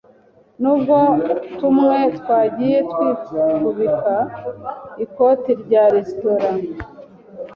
nubwo tumwe twagiye twifubika ikoti rya resitora